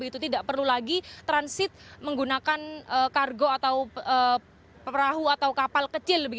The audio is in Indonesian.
tidak perlu lagi transit menggunakan kargo atau perahu atau kapal kecil